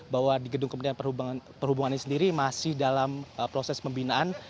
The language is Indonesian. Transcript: bahwa di gedung kementerian perhubungan ini sendiri masih dalam proses pembinaan